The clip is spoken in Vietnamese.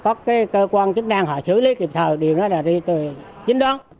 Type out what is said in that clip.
cái cơ quan chức năng họ chứa lý kiểm thờ điều đó là đi từ chính đoán